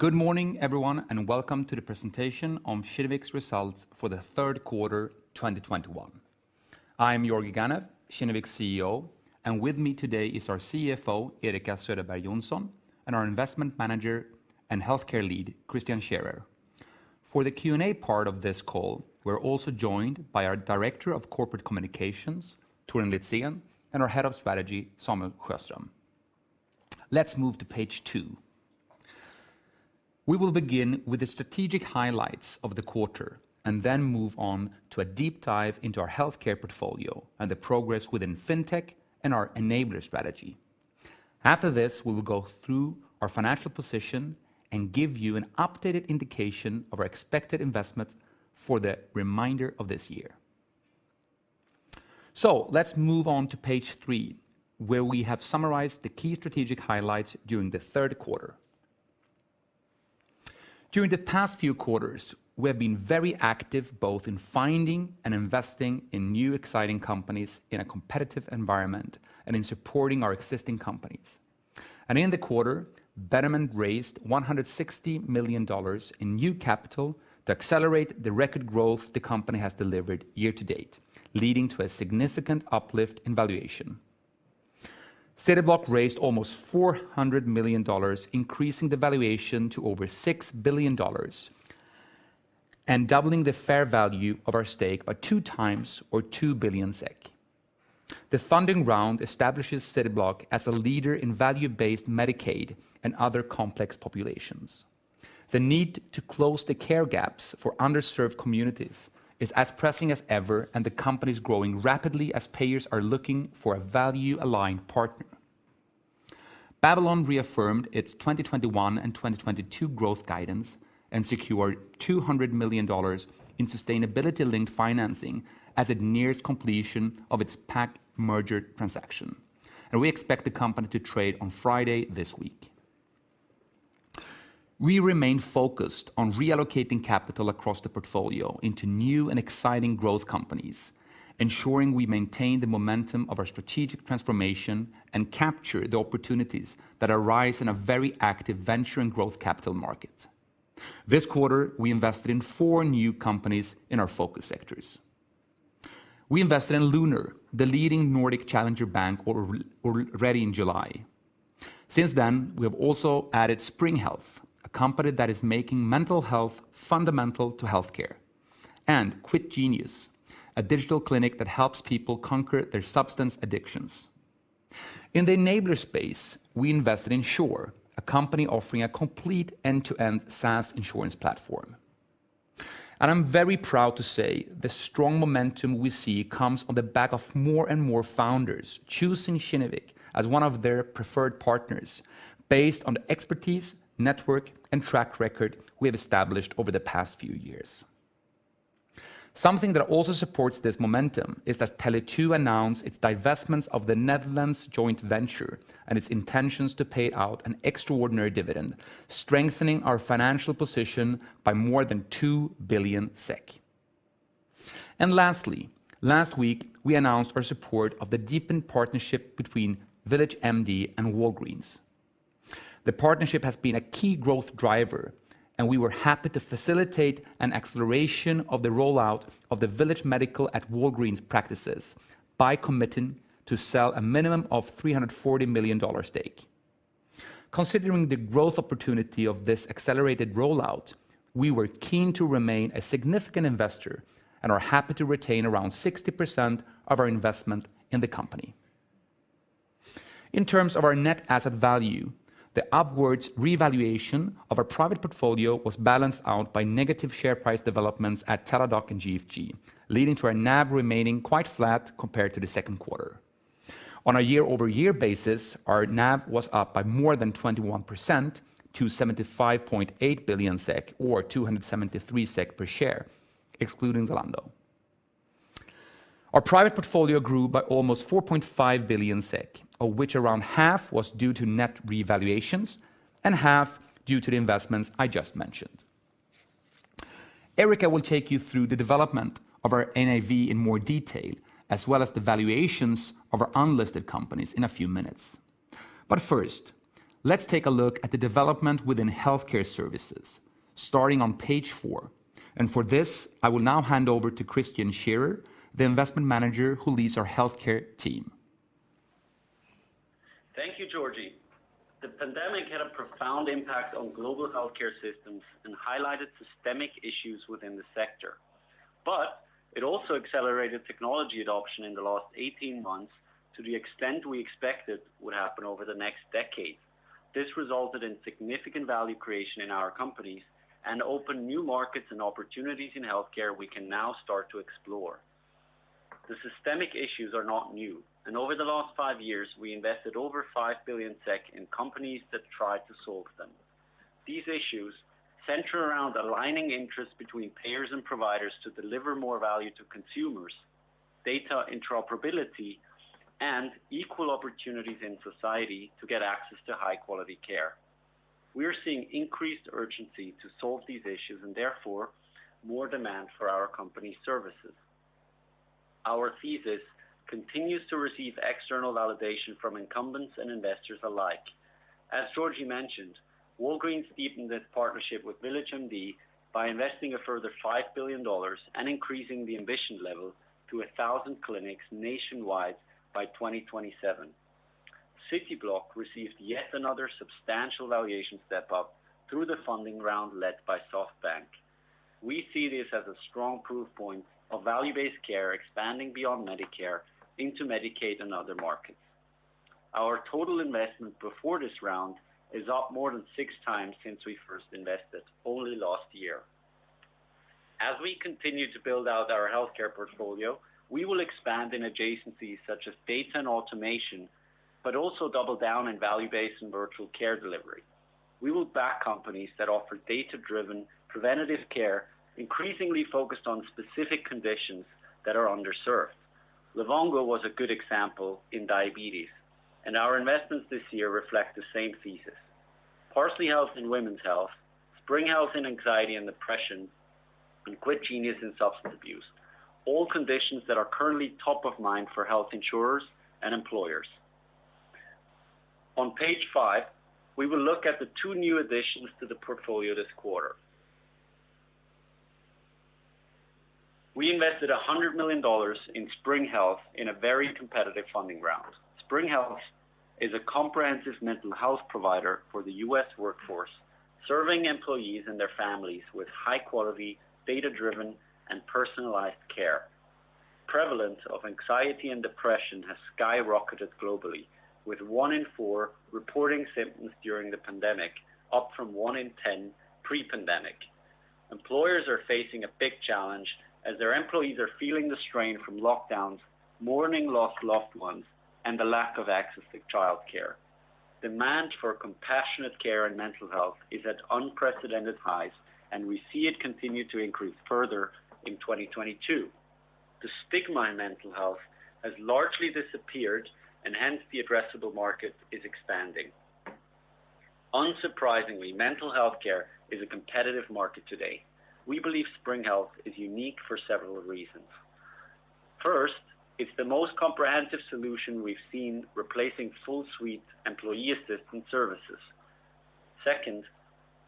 Good morning, everyone, welcome to the presentation on Kinnevik's results for the Q3 2021. I am Georgi Ganev, Kinnevik CEO, and with me today is our CFO, Erika Söderberg Johnson, and our investment manager and healthcare lead, Christian Scherrer. For the Q&A part of this call, we're also joined by our director of corporate communications, Torun Litzén, and our head of strategy, Samuel Sjöström. Let's move to page two. We will begin with the strategic highlights of the quarter and then move on to a deep dive into our healthcare portfolio and the progress within fintech and our enabler strategy. After this, we will go through our financial position and give you an updated indication of our expected investments for the remainder of this year. Let's move on to page three, where we have summarized the key strategic highlights during the Q3. During the past few quarters, we have been very active both in finding and investing in new, exciting companies in a competitive environment and in supporting our existing companies. In the quarter, Betterment raised SEK 160 million in new capital to accelerate the record growth the company has delivered year to date, leading to a significant uplift in valuation. Cityblock raised almost SEK 400 million, increasing the valuation to over SEK 6 billion and doubling the fair value of our stake by two times or 2 billion SEK. The funding round establishes Cityblock as a leader in value-based Medicaid and other complex populations. The need to close the care gaps for underserved communities is as pressing as ever, the company is growing rapidly as payers are looking for a value-aligned partner. Babylon reaffirmed its 2021 and 2022 growth guidance and secured SEK 200 million in sustainability-linked financing as it nears completion of its SPAC merger transaction, and we expect the company to trade on Friday this week. We remain focused on reallocating capital across the portfolio into new and exciting growth companies, ensuring we maintain the momentum of our strategic transformation and capture the opportunities that arise in a very active venture and growth capital market. This quarter, we invested in four new companies in our focus sectors. We invested in Lunar, the leading Nordic challenger bank already in July. Since then, we have also added Spring Health, a company that is making mental health fundamental to healthcare, and Quit Genius, a digital clinic that helps people conquer their substance addictions. In the enabler space, we invested in Sure, a company offering a complete end-to-end SaaS insurance platform. I'm very proud to say the strong momentum we see comes on the back of more and more founders choosing Kinnevik as one of their preferred partners based on the expertise, network, and track record we have established over the past few years. Something that also supports this momentum is that Tele2 announced its divestments of the Netherlands joint venture and its intentions to pay out an extraordinary dividend, strengthening our financial position by more than 2 billion SEK. Lastly, last week we announced our support of the deepened partnership between VillageMD and Walgreens. The partnership has been a key growth driver, and we were happy to facilitate an acceleration of the rollout of the Village Medical at Walgreens practices by committing to sell a minimum of $340 million stake. Considering the growth opportunity of this accelerated rollout, we were keen to remain a significant investor and are happy to retain around 60% of our investment in the company. In terms of our net asset value, the upwards revaluation of our private portfolio was balanced out by negative share price developments at Teladoc and GFG, leading to our NAV remaining quite flat compared to the Q2. On a year-over-year basis, our NAV was up by more than 21% to 75.8 billion SEK, or 273 SEK per share, excluding Zalando. Our private portfolio grew by almost 4.5 billion SEK, of which around half was due to net revaluations and half due to the investments I just mentioned. Erika will take you through the development of our NAV in more detail, as well as the valuations of our unlisted companies in a few minutes. First, let's take a look at the development within healthcare services starting on page 4. For this, I will now hand over to Christian Scherrer, the Investment Manager who leads our healthcare team. Thank you, Georgi. The pandemic had a profound impact on global healthcare systems and highlighted systemic issues within the sector. It also accelerated technology adoption in the last 18 months to the extent we expected would happen over the next decade. This resulted in significant value creation in our companies and opened new markets and opportunities in healthcare we can now start to explore. The systemic issues are not new, and over the last five years, we invested over 5 billion SEK in companies that tried to solve them. These issues center around aligning interests between payers and providers to deliver more value to consumers, data interoperability, and equal opportunities in society to get access to high-quality care. We are seeing increased urgency to solve these issues and therefore more demand for our company services. Our thesis continues to receive external validation from incumbents and investors alike. As Georgi mentioned, Walgreens deepened its partnership with VillageMD by investing a further $5 billion and increasing the ambition level to 1,000 clinics nationwide by 2027. Cityblock received yet another substantial valuation step-up through the funding round led by SoftBank. We see this as a strong proof point of value-based care expanding beyond Medicare into Medicaid and other markets. Our total investment before this round is up more than six times since we first invested only last year. As we continue to build out our healthcare portfolio, we will expand in adjacencies such as data and automation but also double down in value-based and virtual care delivery. We will back companies that offer data-driven preventative care, increasingly focused on specific conditions that are underserved. Livongo was a good example in diabetes, and our investments this year reflect the same thesis. Parsley Health in women's health, Spring Health in anxiety and depression, and Quit Genius in substance abuse, all conditions that are currently top of mind for health insurers and employers. On page five, we will look at the two new additions to the portfolio this quarter. We invested SEK 100 million in Spring Health in a very competitive funding round. Spring Health is a comprehensive mental health provider for the U.S. workforce, serving employees and their families with high-quality, data-driven, and personalized care. Prevalence of anxiety and depression has skyrocketed globally, with one in four reporting symptoms during the pandemic, up from one in 10 pre-pandemics. Employers are facing a big challenge as their employees are feeling the strain from lockdowns, mourning lost loved ones, and the lack of access to childcare. Demand for compassionate care in mental health is at unprecedented highs, and we see it continue to increase further in 2022. The stigma in mental health has largely disappeared, and hence the addressable market is expanding. Unsurprisingly, mental healthcare is a competitive market today. We believe Spring Health is unique for several reasons. First, it's the most comprehensive solution we've seen replacing full suite employee assistant services. Second,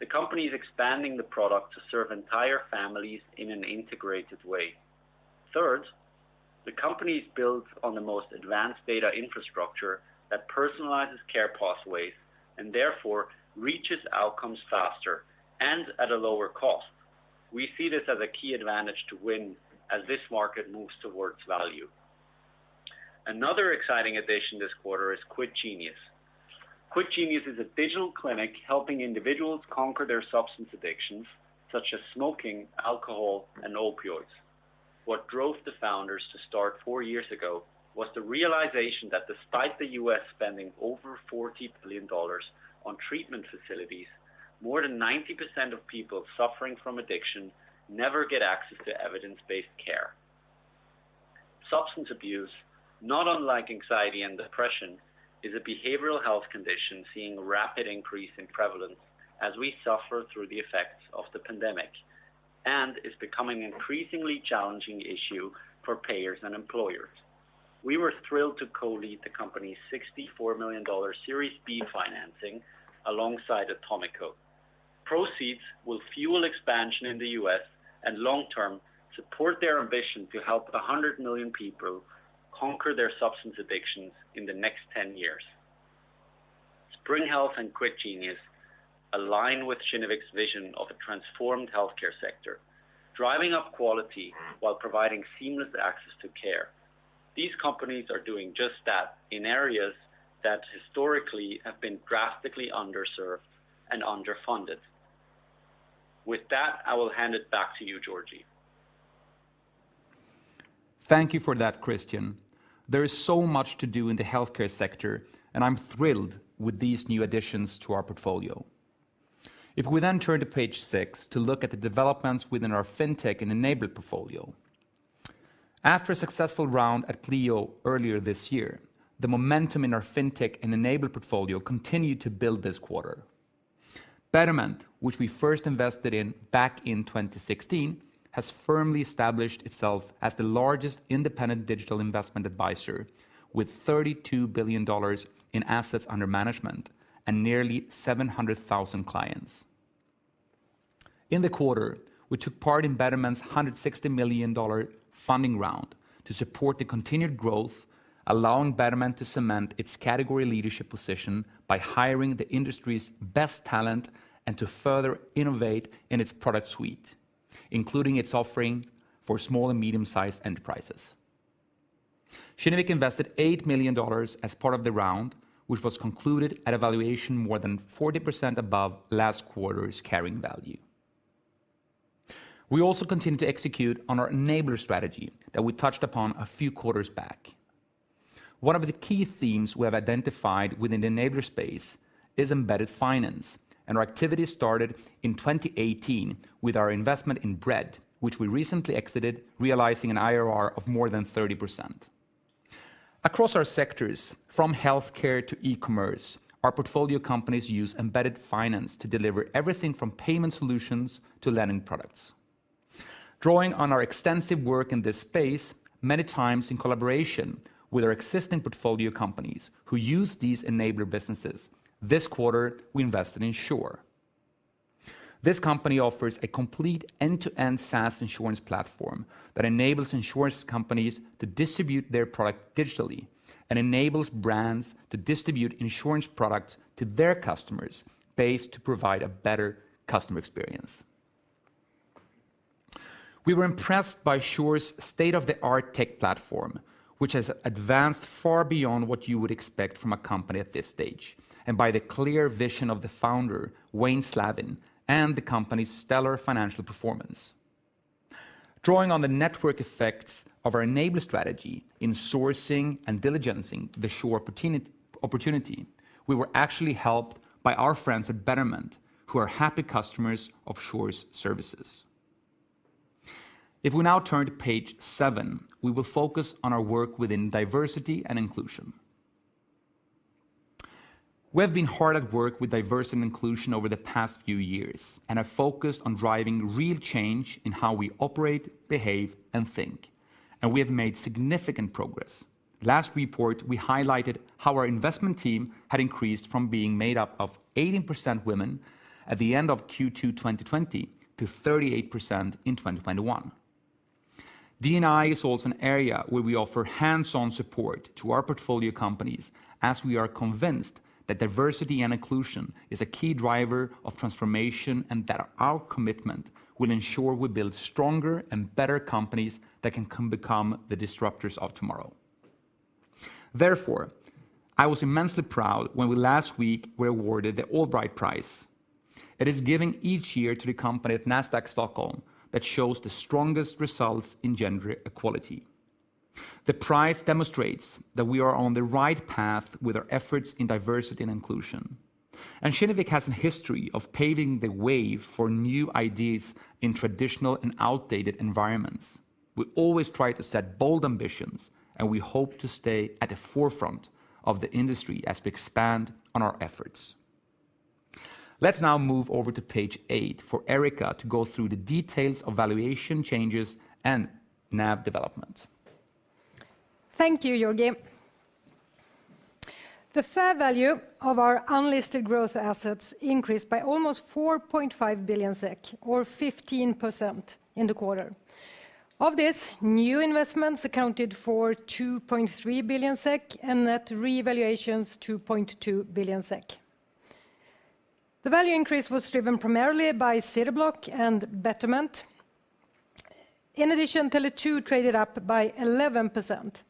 the company is expanding the product to serve entire families in an integrated way. Third, the company is built on the most advanced data infrastructure that personalizes care pathways and therefore reaches outcomes faster and at a lower cost. We see this as a key advantage to win as this market moves towards value. Another exciting addition this quarter is Quit Genius. Quit Genius is a digital clinic helping individuals conquer their substance addictions, such as smoking, alcohol, and opioids. What drove the founders to start four years ago was the realization that despite the U.S. spending over $40 billion on treatment facilities, more than 90% of people suffering from addiction never get access to evidence-based care. Substance abuse, not unlike anxiety and depression, is a behavioral health condition seeing rapid increase in prevalence as we suffer through the effects of the pandemic and is becoming an increasingly challenging issue for payers and employers. We were thrilled to co-lead the company's $64 million Series B financing alongside Atomico. Proceeds will fuel expansion in the U.S., and long term, support their ambition to help 100 million people conquer their substance addictions in the next 10 years. Spring Health and Quit Genius align with Kinnevik's vision of a transformed healthcare sector, driving up quality while providing seamless access to care. These companies are doing just that in areas that historically have been drastically underserved and underfunded. With that, I will hand it back to you, Georgi. Thank you for that, Christian. There is so much to do in the healthcare sector, and I'm thrilled with these new additions to our portfolio. If we turn to page six to look at the developments within our fintech and enabler portfolio. After a successful round at Pleo earlier this year, the momentum in our fintech and enabler portfolio continued to build this quarter. Betterment, which we first invested in back in 2016, has firmly established itself as the largest independent digital investment advisor, with SEK 32 billion in assets under management and nearly 700,000 clients. In the quarter, we took part in Betterment's SEK 160 million funding round to support the continued growth, allowing Betterment to cement its category leadership position by hiring the industry's best talent and to further innovate in its product suite, including its offering for small and medium-sized enterprises. Kinnevik invested SEK 8 million as part of the round, which was concluded at a valuation more than 40% above last quarter's carrying value. We also continue to execute on our enabler strategy that we touched upon a few quarters back. One of the key themes we have identified within the enabler space is embedded finance, and our activity started in 2018 with our investment in Bread, which we recently exited, realizing an IRR of more than 30%. Across our sectors, from healthcare to e-commerce, our portfolio companies use embedded finance to deliver everything from payment solutions to lending products. Drawing on our extensive work in this space, many times in collaboration with our existing portfolio companies who use these enabler businesses, this quarter, we invested in Sure. This company offers a complete end-to-end SaaS insurance platform that enables insurance companies to distribute their product digitally and enables brands to distribute insurance products to their customers based to provide a better customer experience. We were impressed by Sure's state-of-the-art tech platform, which has advanced far beyond what you would expect from a company at this stage, and by the clear vision of the founder, Wayne Slavin, and the company's stellar financial performance. Drawing on the network effects of our enabler strategy in sourcing and diligencing the Sure opportunity, we were actually helped by our friends at Betterment, who are happy customers of Sure's services. If we now turn to page seven, we will focus on our work within diversity and inclusion. We have been hard at work with diversity and inclusion over the past few years and are focused on driving real change in how we operate, behave, and think, and we have made significant progress. Last report, we highlighted how our investment team had increased from being made up of 18% women at the end of Q2 2020 to 38% in 2021. D&I is also an area where we offer hands-on support to our portfolio companies as we are convinced that diversity and inclusion is a key driver of transformation and that our commitment will ensure we build stronger and better companies that can become the disruptors of tomorrow. Therefore, I was immensely proud when we last week were awarded the AllBright Prize. It is given each year to the company at Nasdaq Stockholm that shows the strongest results in gender equality. The prize demonstrates that we are on the right path with our efforts in diversity and inclusion. Kinnevik has a history of paving the way for new ideas in traditional and outdated environments. We always try to set bold ambitions, and we hope to stay at the forefront of the industry as we expand on our efforts. Let's now move over to page eight for Erika to go through the details of valuation changes and NAV development. Thank you, Georgi. The fair value of our unlisted growth assets increased by almost 4.5 billion SEK, or 15%, in the quarter. Of this, new investments accounted for 2.3 billion SEK, and net revaluations 2.2 billion SEK. The value increase was driven primarily by Cityblock and Betterment. In addition, Tele2 traded up by 11%.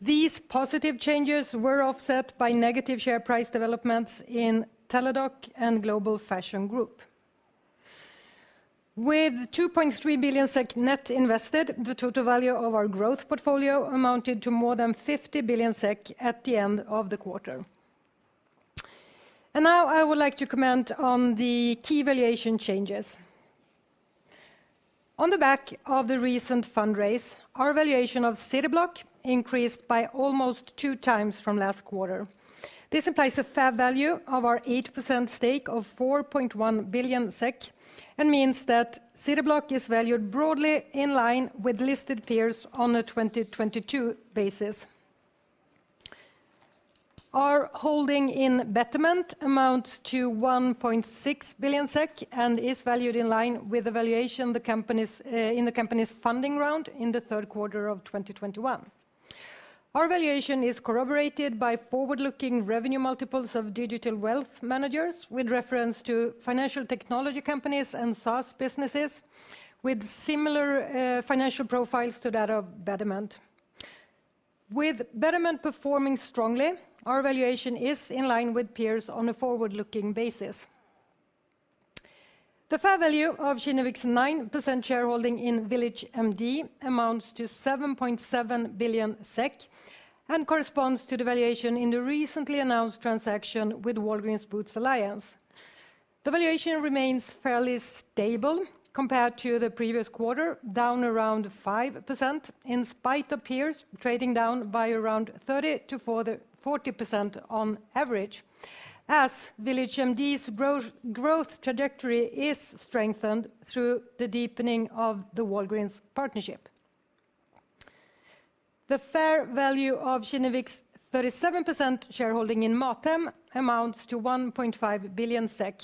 These positive changes were offset by negative share price developments in Teladoc and Global Fashion Group. With 2.3 billion SEK net invested, the total value of our growth portfolio amounted to more than 50 billion SEK at the end of the quarter. Now I would like to comment on the key valuation changes. On the back of the recent fundraise, our valuation of Cityblock increased by almost two times from last quarter. This implies a fair value of our 8% stake of 4.1 billion SEK and means that Cityblock is valued broadly in line with listed peers on a 2022 basis. Our holding in Betterment amounts to 1.6 billion SEK and is valued in line with the valuation in the company's funding round in the Q3 of 2021. Our valuation is corroborated by forward-looking revenue multiples of digital wealth managers with reference to financial technology companies and SaaS businesses with similar financial profiles to that of Betterment. With Betterment performing strongly, our valuation is in line with peers on a forward-looking basis. The fair value of Kinnevik's 9% shareholding in VillageMD amounts to 7.7 billion SEK and corresponds to the valuation in the recently announced transaction with Walgreens Boots Alliance. The valuation remains fairly stable compared to the previous quarter, down around 5%, in spite of peers trading down by around 30%-40% on average as VillageMD's growth trajectory is strengthened through the deepening of the Walgreens partnership. The fair value of Kinnevik's 37% shareholding in Mathem amounts to 1.5 billion SEK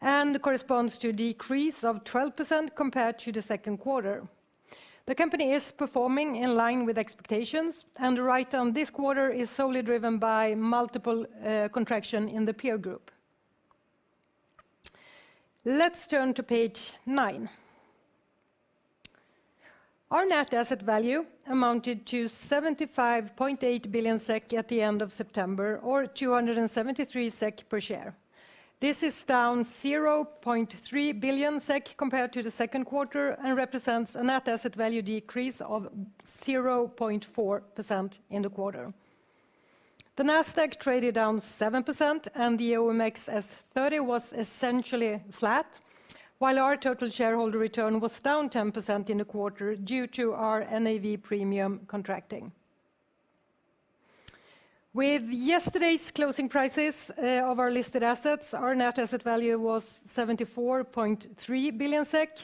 and corresponds to a decrease of 12% compared to the Q2. The company is performing in line with expectations, and the write-down this quarter is solely driven by multiple contraction in the peer group. Let's turn to page nine. Our net asset value amounted to 75.8 billion SEK at the end of September, or 273 SEK per share. This is down 0.3 billion SEK compared to the Q2 and represents a net asset value decrease of 0.4% in the quarter. The Nasdaq traded down 7%, and the OMXS30 was essentially flat, while our total shareholder return was down 10% in the quarter due to our NAV premium contracting. With yesterday's closing prices of our listed assets, our net asset value was 74.3 billion SEK,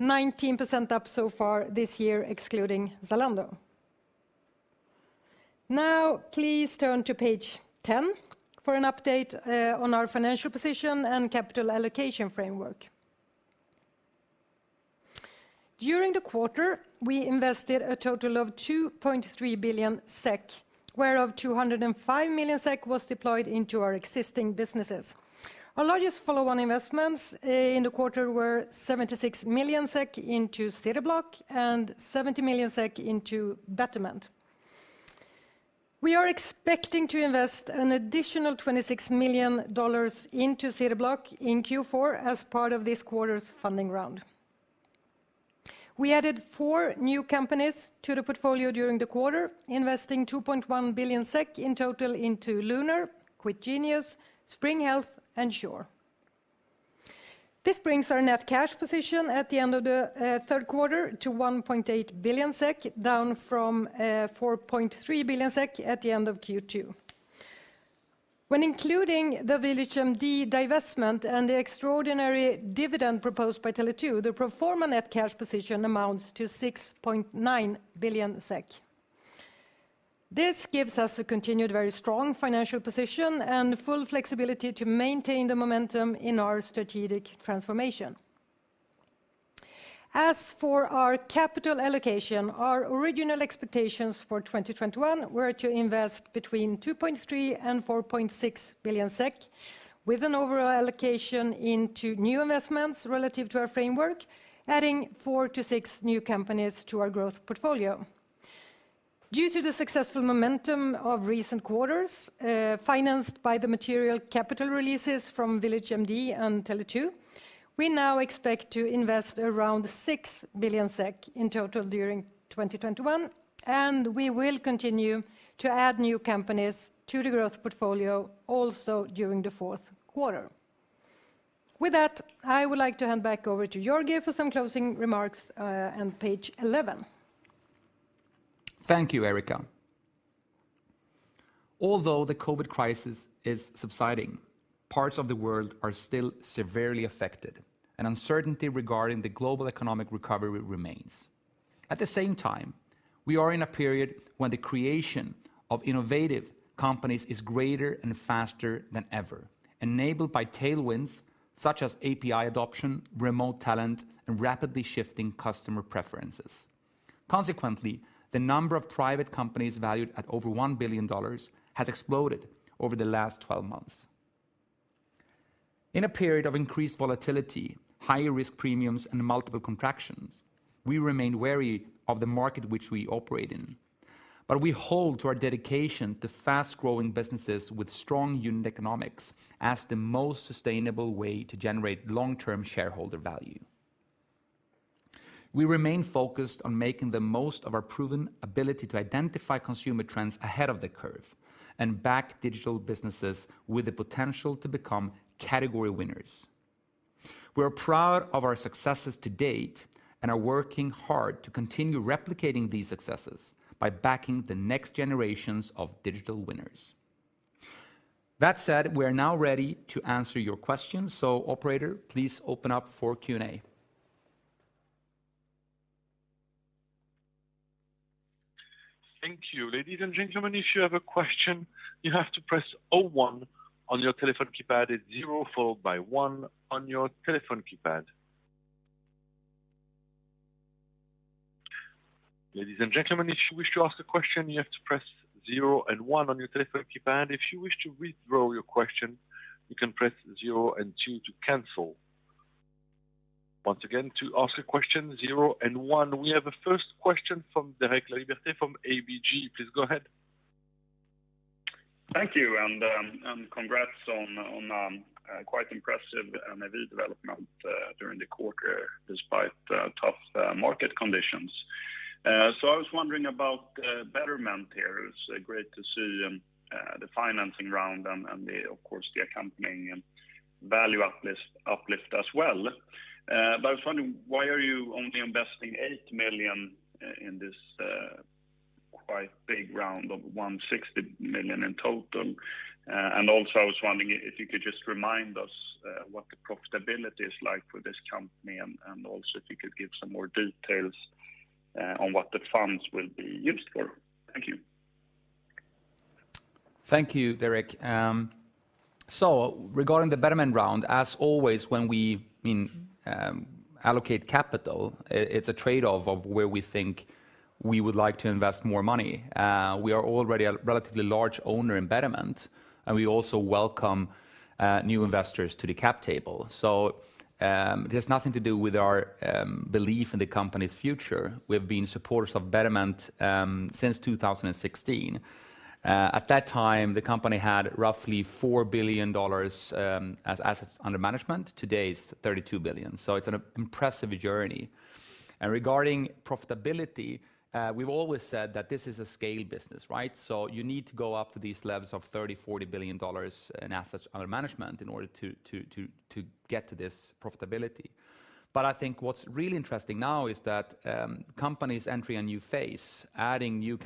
19% up so far this year, excluding Zalando. Please turn to page 10 for an update on our financial position and capital allocation framework. During the quarter, we invested a total of 2.3 billion SEK, whereof 205 million SEK was deployed into our existing businesses. Our largest follow-on investments in the quarter were 76 million SEK into Cityblock and 70 million SEK into Betterment. We are expecting to invest an additional $26 million into Cityblock in Q4 as part of this quarter's funding round. We added four new companies to the portfolio during the quarter, investing 2.1 billion SEK in total into Lunar, Quit Genius, Spring Health, and Sure. This brings our net cash position at the end of the Q3 to 1.8 billion SEK, down from 4.3 billion SEK at the end of Q2. When including the VillageMD divestment and the extraordinary dividend proposed by Tele2, the pro forma net cash position amounts to 6.9 billion SEK. This gives us a continued very strong financial position and full flexibility to maintain the momentum in our strategic transformation. As for our capital allocation, our original expectations for 2021 were to invest between 2.3 billion and 4.6 billion SEK with an overall allocation into new investments relative to our framework, adding four to six new companies to our growth portfolio. Due to the successful momentum of recent quarters, financed by the material capital releases from VillageMD and Tele2, we now expect to invest around 6 billion SEK in total during 2021, and we will continue to add new companies to the growth portfolio also during the Q4. With that, I would like to hand back over to Georgi for some closing remarks on page 11. Thank you, Erika. Although the COVID crisis is subsiding, parts of the world are still severely affected, and uncertainty regarding the global economic recovery remains. At the same time, we are in a period when the creation of innovative companies is greater and faster than ever, enabled by tailwinds such as API adoption, remote talent, and rapidly shifting customer preferences. Consequently, the number of private companies valued at over SEK 1 billion has exploded over the last 12 months. In a period of increased volatility, higher risk premiums, and multiple contractions, we remain wary of the market which we operate in, but we hold to our dedication to fast-growing businesses with strong unit economics as the most sustainable way to generate long-term shareholder value. We remain focused on making the most of our proven ability to identify consumer trends ahead of the curve and back digital businesses with the potential to become category winners. We are proud of our successes to date and are working hard to continue replicating these successes by backing the next generations of digital winners. That said, we are now ready to answer your questions. Operator, please open up for Q&A. Thank you. Ladies and gentlemen, if you have a question, you have to press zero, one on your telephone keypad. It's zero followed by one on your telephone keypad. Ladies and gentlemen, if you wish to ask a question, you have to press zero and one on your telephone keypad. If you wish to withdraw your question, you can press zero and two to cancel. Once again, to ask a question, zero and one. We have a first question from Derek Laliberté from ABG. Please go ahead. Thank you. Congrats on quite impressive NAV development during the quarter despite tough market conditions. I was wondering about Betterment here. It's great to see the financing round and of course the accompanying value uplift as well. I was wondering why are you only investing $8 million in this quite big round of $160 million in total? Also, I was wondering if you could just remind us what the profitability is like for this company, and also if you could give some more details on what the funds will be used for. Thank you. Thank you, Derek. Regarding the Betterment round, as always, when we allocate capital, it's a trade-off of where we think we would like to invest more money. We are already a relatively large owner in Betterment, and we also welcome new investors to the cap table. It has nothing to do with our belief in the company's future. We've been supporters of Betterment since 2016. At that time, the company had roughly $4 billion as assets under management. Today, it's $32 billion, so it's an impressive journey. Regarding profitability, we've always said that this is a scale business, right? You need to go up to these levels of $30 billion, $40 billion in assets under management in order to get to this profitability. I think what's really interesting now is that companies enter a new phase, adding new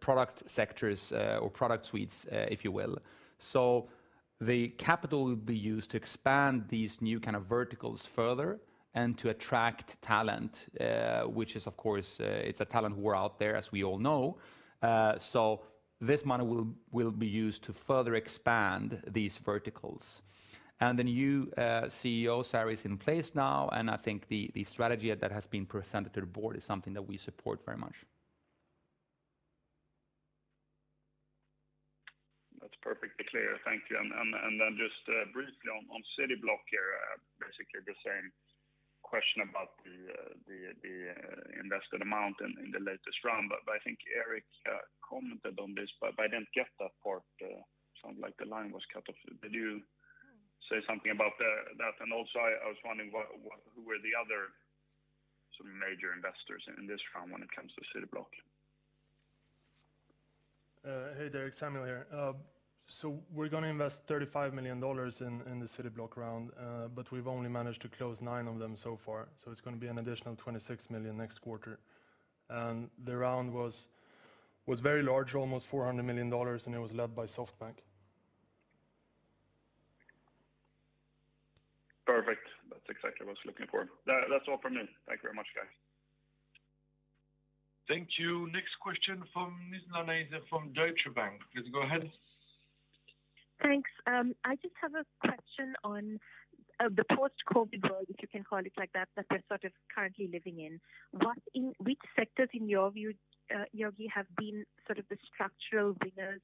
product sectors or product suites, if you will. The capital will be used to expand these new verticals further and to attract talent, which is, of course, it's a talent war out there, as we all know. This money will be used to further expand these verticals. The new CEO, Sari, is in place now, and I think the strategy that has been presented to the board is something that we support very much. That's perfectly clear. Thank you. Then just briefly on Cityblock here, basically the same question about the invested amount in the latest round, but I think Erika commented on this, but I didn't get that part. It sounded like the line was cut off. Did you say something about that? Also, I was wondering who were the other sort of major investors in this round when it comes to Cityblock? Hey, Derek. Samuel here. We're going to invest $35 million in the Cityblock round, we've only managed to close nine of them so far, it's going to be an additional $26 million next quarter. The round was very large, almost $400 million, and it was led by SoftBank. Perfect. That's exactly what I was looking for. That's all from me. Thank you very much, guys. Thank you. Next question from Nizla Naizer from Deutsche Bank. Please go ahead. Thanks. I just have a question on the post-COVID world, if you can call it like that, we're sort of currently living in. Which sectors, in your view, Georgi, have been sort of the structural winners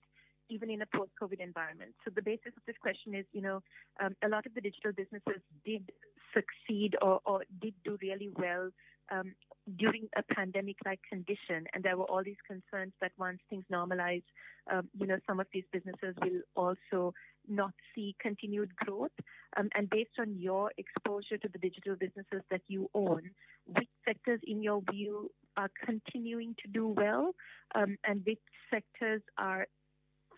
even in a post-COVID environment? The basis of this question is, a lot of the digital businesses did succeed or did do really well during a pandemic-like condition, and there were all these concerns that once things normalize, some of these businesses will also not see continued growth. Based on your exposure to the digital businesses that you own, which sectors in your view are continuing to do well, and which sectors are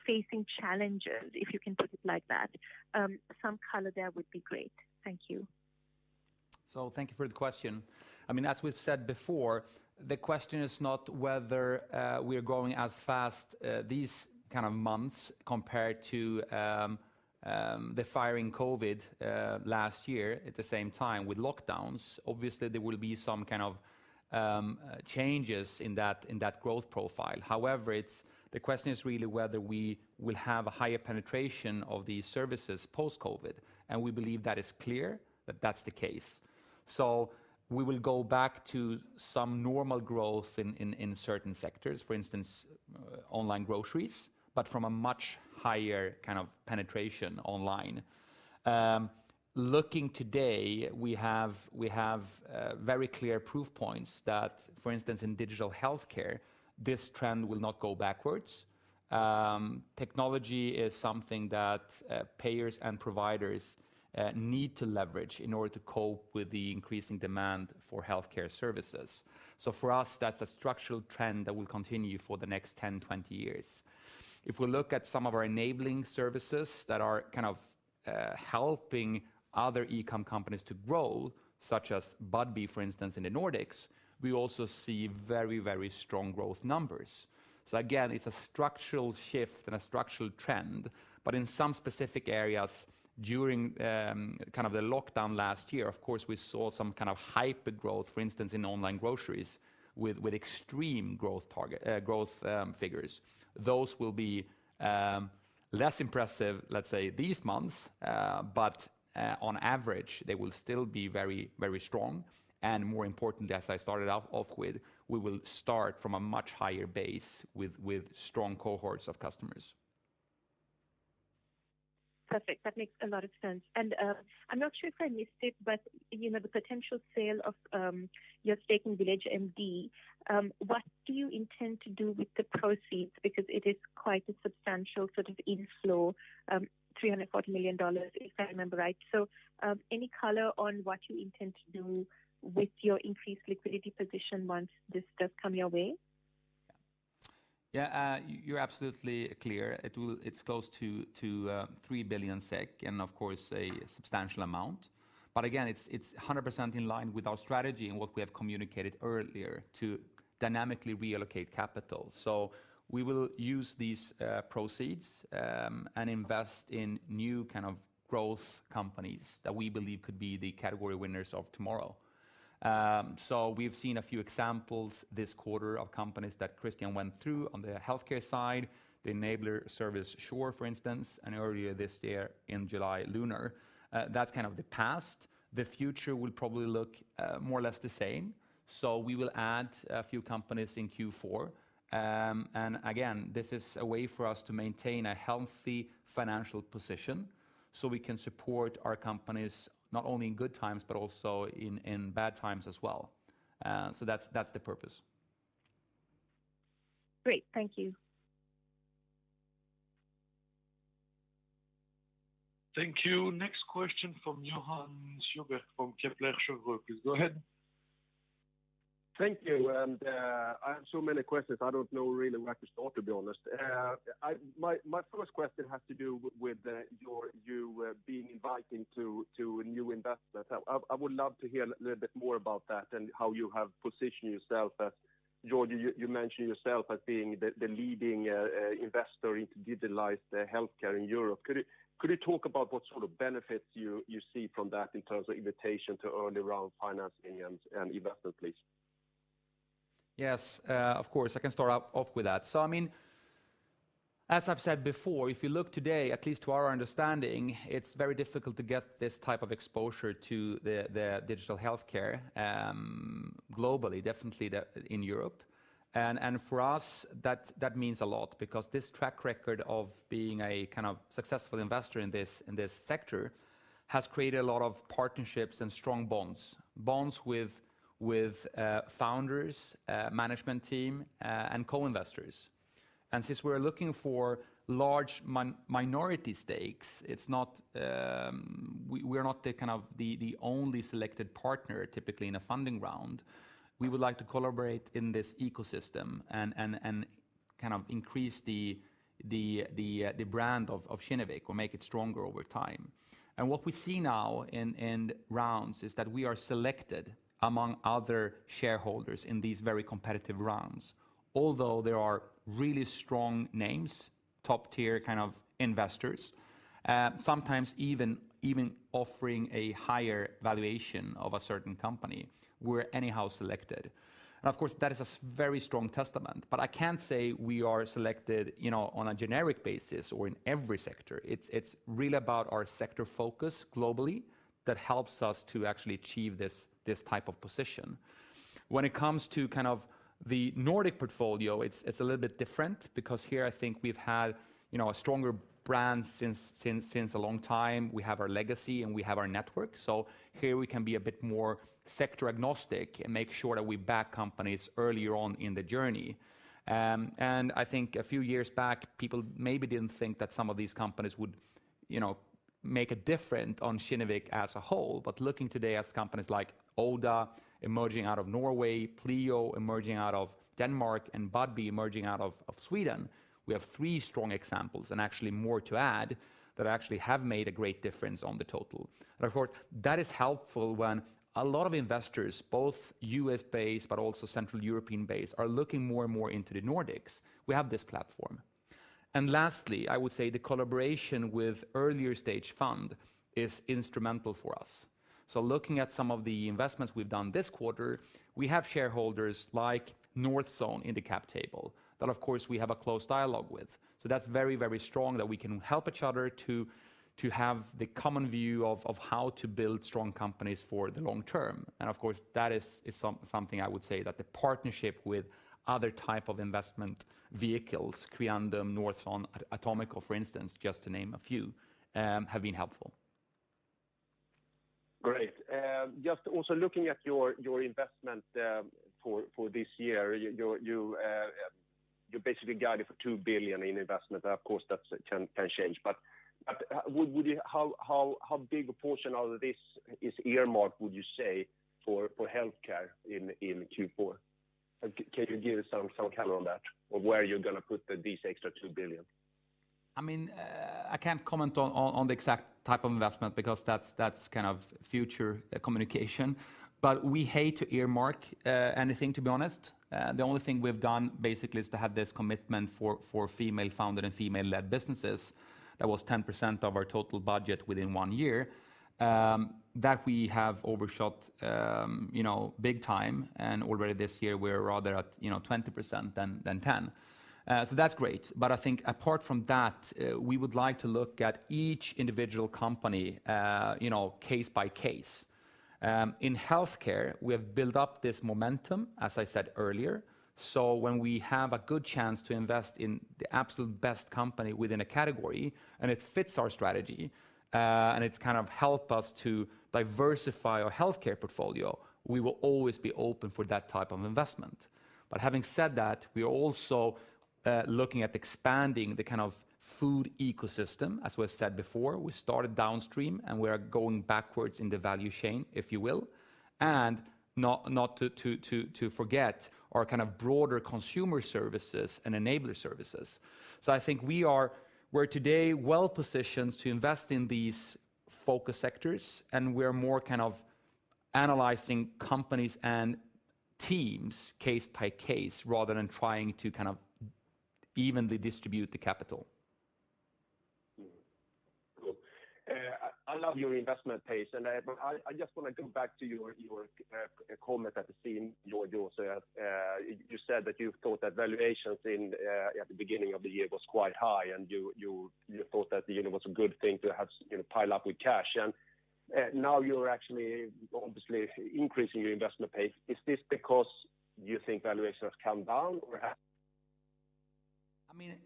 facing challenges, if you can put it like that? Some color there would be great. Thank you. Thank you for the question. As we've said before, the question is not whether we are growing as fast these kind of months compared to the fire in COVID last year at the same time with lockdowns. There will be some kind of changes in that growth profile. The question is really whether we will have a higher penetration of these services post-COVID, and we believe that is clear that that's the case. We will go back to some normal growth in certain sectors, for instance, online groceries, but from a much higher kind of penetration online. Looking today, we have very clear proof points that, for instance, in digital healthcare, this trend will not go backwards. Technology is something that payers and providers need to leverage in order to cope with the increasing demand for healthcare services. For us, that's a structural trend that will continue for the next 10, 20 years. If we look at some of our enabling services that are kind of helping other e-com companies to grow, such as Budbee, for instance, in the Nordics, we also see very strong growth numbers. Again, it's a structural shift and a structural trend, but in some specific areas during the lockdown last year, of course, we saw some kind of hypergrowth, for instance, in online groceries with extreme growth figures. Those will be less impressive, let's say, these months, but on average, they will still be very strong. More importantly, as I started off with, we will start from a much higher base with strong cohorts of customers. Perfect. That makes a lot of sense. I'm not sure if I missed it, but the potential sale of your stake in VillageMD, what do you intend to do with the proceeds? Because it is quite a substantial sort of inflow, $340 million, if I remember right. Any color on what you intend to do with your increased liquidity position once this does come your way? Yeah. You're absolutely clear. It's close to 3 billion SEK, and of course, a substantial amount. Again, it's 100% in line with our strategy and what we have communicated earlier to dynamically reallocate capital. We will use these proceeds and invest in new kind of growth companies that we believe could be the category winners of tomorrow. We've seen a few examples this quarter of companies that Christian went through on the healthcare side, the enabler service, Sure, for instance, and earlier this year in July, Lunar. That's kind of the past. The future will probably look more or less the same. We will add a few companies in Q4. Again, this is a way for us to maintain a healthy financial position so we can support our companies not only in good times, but also in bad times as well. That's the purpose. Great. Thank you. Thank you. Next question from Johan Sjöberg from Kepler Cheuvreux. Please go ahead. Thank you. I have so many questions I don't know really where to start, to be honest. My first question has to do with you being inviting to a new investor. I would love to hear a little bit more about that and how you have positioned yourself as, Georgi, you mentioned yourself as being the leading investor in digitalized healthcare in Europe. Could you talk about what sort of benefits you see from that in terms of invitation to early round financing and investment, please? Yes, of course, I can start off with that. As I've said before, if you look today, at least to our understanding, it is very difficult to get this type of exposure to the digital healthcare globally, definitely in Europe. For us, that means a lot because this track record of being a successful investor in this sector has created a lot of partnerships and strong bonds. Bonds with founders, management team, and co-investors. Since we are looking for large minority stakes, we are not the only selected partner typically in a funding round. We would like to collaborate in this ecosystem and increase the brand of Kinnevik or make it stronger over time. What we see now in rounds is that we are selected among other shareholders in these very competitive rounds. Although there are really strong names, top tier kind of investors, sometimes even offering a higher valuation of a certain company, we're anyhow selected. Of course, that is a very strong testament, but I can't say we are selected on a generic basis or in every sector. It's really about our sector focus globally that helps us to actually achieve this type of position. When it comes to the Nordic portfolio, it's a little bit different because here I think we've had a stronger brand since a long time. We have our legacy, and we have our network. Here we can be a bit more sector agnostic and make sure that we back companies earlier on in the journey. I think a few years back, people maybe didn't think that some of these companies would make a difference on Kinnevik as a whole. Looking today at companies like Oda emerging out of Norway, Pleo emerging out of Denmark, and Budbee emerging out of Sweden, we have three strong examples, and actually more to add, that actually have made a great difference on the total. Of course, that is helpful when a lot of investors, both U.S.-based but also Central European-based, are looking more and more into the Nordics. We have this platform. Lastly, I would say the collaboration with earlier stage fund is instrumental for us. Looking at some of the investments we've done this quarter, we have shareholders like Northzone in the cap table, that of course we have a close dialogue with. That's very, very strong that we can help each other to have the common view of how to build strong companies for the long term. Of course, that is something I would say that the partnership with other type of investment vehicles, Creandum, Northzone, Atomico, for instance, just to name a few, have been helpful. Great. Just also looking at your investment for this year. You basically guided for 2 billion in investment. Of course, that can change. How big a portion of this is earmarked, would you say, for healthcare in Q4? Can you give some color on that? Where you're going to put these extra 2 billion? I can't comment on the exact type of investment because that's future communication. We hate to earmark anything, to be honest. The only thing we've done basically is to have this commitment for female-founded and female-led businesses. That was 10% of our total budget within one year. That we have overshot big time, and already this year we're rather at 20% than 10. That's great. I think apart from that, we would like to look at each individual company case by case. In healthcare, we have built up this momentum, as I said earlier. When we have a good chance to invest in the absolute best company within a category, and it fits our strategy, and it's helped us to diversify our healthcare portfolio, we will always be open for that type of investment. Having said that, we are also looking at expanding the food ecosystem, as we've said before. We started downstream, and we are going backwards in the value chain, if you will, and not to forget our broader consumer services and enabler services. I think we're today well-positioned to invest in these focus sectors, and we're more analyzing companies and teams case by case, rather than trying to evenly distribute the capital. Cool. I love your investment pace. I just want to come back to your comment at the scene, Georgi. You said that you thought that valuations at the beginning of the year was quite high, and you thought that it was a good thing to have pile up with cash. Now you're actually obviously increasing your investment pace. Is this because you think valuations have come down or?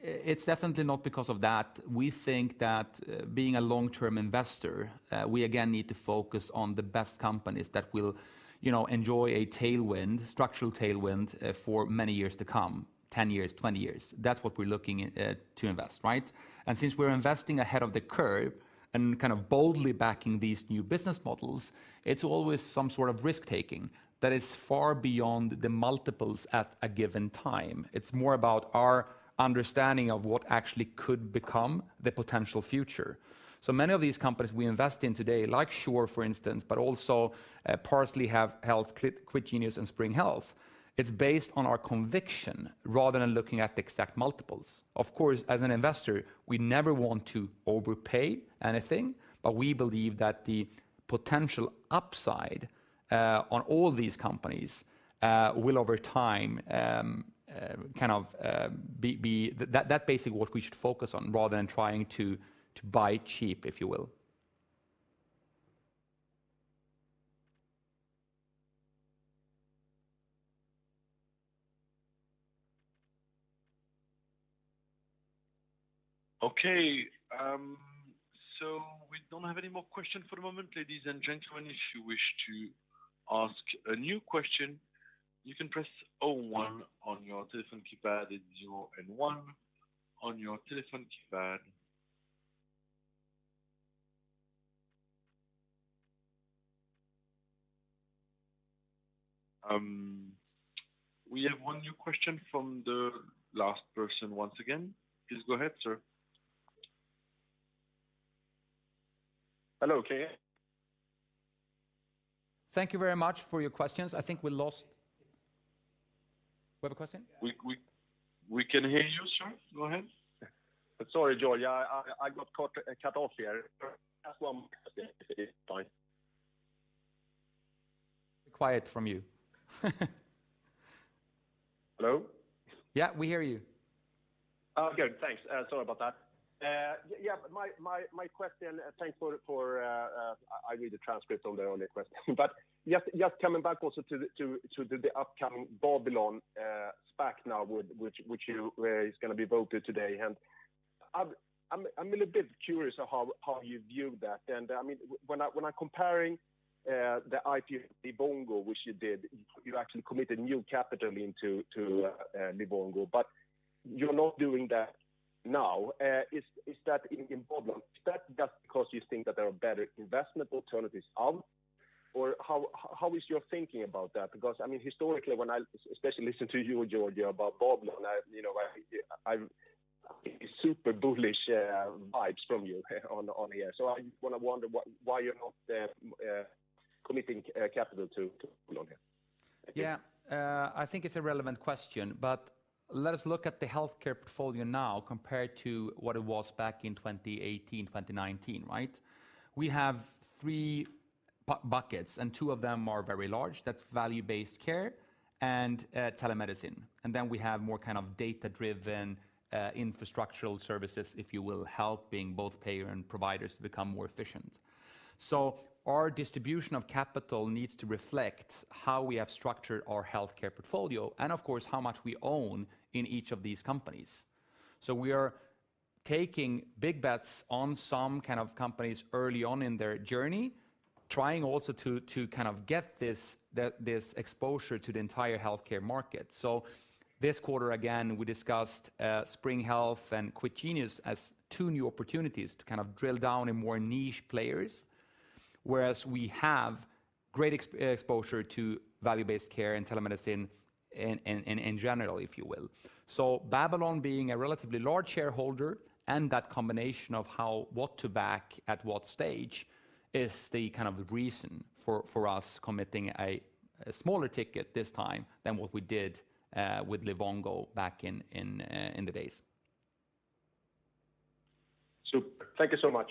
It's definitely not because of that. We think that being a long-term investor, we again need to focus on the best companies that will enjoy a structural tailwind for many years to come, 10 years, 20 years. That's what we're looking to invest, right? Since we're investing ahead of the curve, kind of boldly backing these new business models, it's always some sort of risk-taking that is far beyond the multiples at a given time. It's more about our understanding of what actually could become the potential future. Many of these companies we invest in today, like Sure, for instance, but also Parsley Health, Quit Genius, and Spring Health, it's based on our conviction rather than looking at the exact multiples. Of course, as an investor, we never want to overpay anything, but we believe that the potential upside on all these companies will over time. That basically what we should focus on rather than trying to buy cheap, if you will. Okay. We don't have any more questions for the moment, ladies and gentlemen. If you wish to ask a new question, you can press 01 on your telephone keypad. It's zero and one on your telephone keypad. We have 1 new question from the last person once again. Please go ahead, sir. Hello, can you hear. Thank you very much for your questions. Do you have a question? We can hear you, sir. Go ahead. Sorry, Georgi, I got cut off here. I just want Quiet from you. Hello? Yeah, we hear you. Oh, good. Thanks. Sorry about that. My question, thanks for I read the transcripts on the question, but just coming back also to the upcoming Babylon SPAC now, where it's going to be voted today, and I'm a little bit curious of how you view that. When comparing the IPO Livongo, which you did, you actually committed new capital into Livongo, but you're not doing that now. Is that in Babylon? Is that just because you think that there are better investment alternatives out, or how is your thinking about that? Historically, when I especially listen to you, Georgi, about Babylon, I'm super bullish vibes from you on the air. I want to wonder why you're not committing capital to Babylon. Thank you. Yeah. I think it's a relevant question. Let us look at the healthcare portfolio now compared to what it was back in 2018, 2019, right? We have three buckets. Two of them are very large. That's value-based care and telemedicine. Then we have more kind of data-driven infrastructural services, if you will, helping both payer and providers to become more efficient. Our distribution of capital needs to reflect how we have structured our healthcare portfolio and of course, how much we own in each of these companies. We are taking big bets on some kind of companies early on in their journey, trying also to kind of get this exposure to the entire healthcare market. This quarter, again, we discussed Spring Health and Quit Genius as two new opportunities to kind of drill down in more niche players, whereas we have great exposure to value-based care and telemedicine in general, if you will. Babylon being a relatively large shareholder and that combination of what to back at what stage is the kind of reason for us committing a smaller ticket this time than what we did with Livongo back in the days. Super. Thank you so much.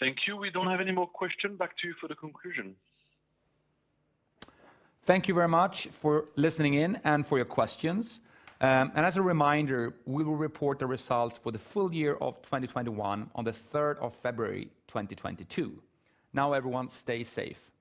Thank you. We don't have any more questions. Back to you for the conclusion. Thank you very much for listening in and for your questions. As a reminder, we will report the results for the full year of 2021 on the 3rd of February 2022. Everyone, stay safe.